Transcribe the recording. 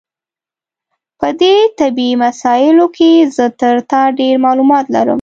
په دې طبي مسایلو کې زه تر تا ډېر معلومات لرم.